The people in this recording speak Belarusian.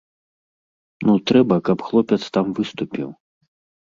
Ну трэба, каб хлопец там выступіў.